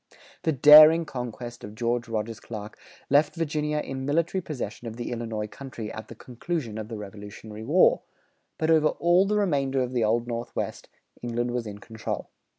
The daring conquest of George Rogers Clark left Virginia in military possession of the Illinois country at the conclusion of the Revolutionary War; but over all the remainder of the Old Northwest, England was in control.